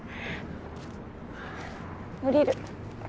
降りる。